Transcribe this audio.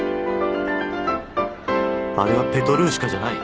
あれは『ペトルーシュカ』じゃない